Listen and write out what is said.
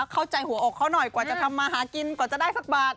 เข้าใจหัวอกเขาหน่อยกว่าจะทำมาหากินกว่าจะได้สักบาท